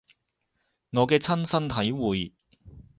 我嘅親身體會